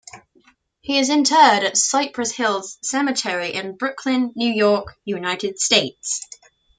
He is interred at Cypress Hills Cemetery in Brooklyn, New York, United States.